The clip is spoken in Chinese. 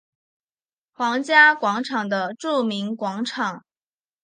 皇家广场的著名广场。